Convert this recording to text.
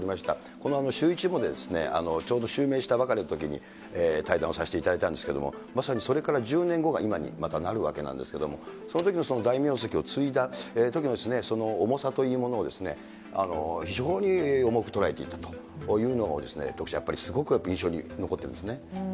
このシューイチもちょうど襲名したばかりのときに対談をさせていただいたんですけれども、まさにそれから１０年後が今に、またなるわけなんですけれども、そのときのその大名跡を継いだときのその重さというものを、非常に重く捉えていたというのをですね、徳ちゃん、やっぱりすごく印象に残ってるんですね。